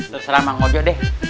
terserah bang ojo deh